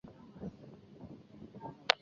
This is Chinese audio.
该医院转隶中央军委后勤保障部。